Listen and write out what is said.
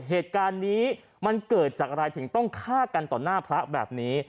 เหตุการณ์นี้มันเกิดจากอะไรถึงต้องฆ่ากันต่อหน้าพระแบบนี้